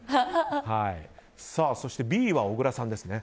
そしてＢは小倉さんですね。